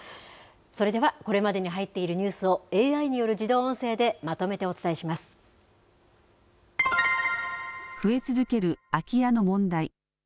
それではこれまでに入っているニュースをＡＩによる自動音声でま増え続ける空き家の問題。